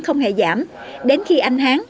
không hề giảm đến khi anh hán